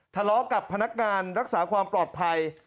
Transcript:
ทะเลาะกับพนักงานรักษาความปลอดภัย